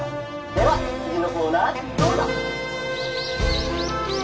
では次のコーナーどうぞ！」。